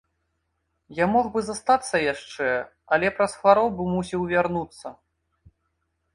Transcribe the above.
Я мог бы застацца яшчэ, але праз хваробу мусіў вярнуцца.